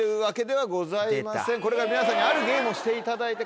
これから皆さんにあるゲームをしていただいて。